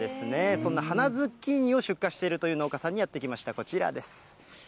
そんな花ズッキーニを出荷しているという農家さんにやって来ました、こちらです。